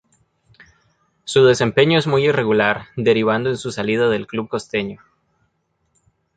Su desempeño es muy irregular derivando en su salida del club costeño.